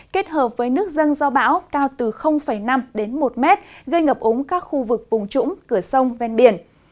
kết hợp với nước dân do bão cao từ năm một m gây ngập ống các khu vực bùng trũng cửa sông ven biển